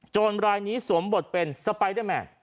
รายนี้สวมบทเป็นสไปเดอร์แมน